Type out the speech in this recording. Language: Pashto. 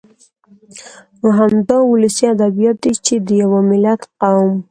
نو همدا ولسي ادبيات دي چې د يوه ملت ، قوم